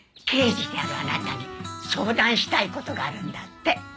刑事であるあなたに相談したい事があるんだって。